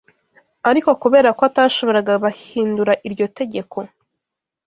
Ariko kubera ko atashoboraga bahindura iryo tegeko